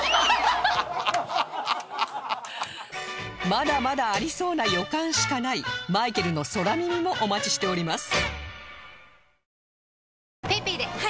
まだまだありそうな予感しかないマイケルの空耳もお待ちしております